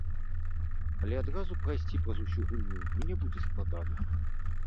Але адразу прайсці праз усю гульню мне будзе складана.